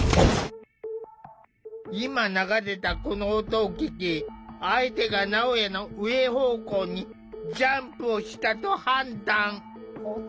今流れたこの音を聞き相手がなおやの上方向にジャンプをしたと判断。